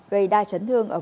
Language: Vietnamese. gây đa chấn thương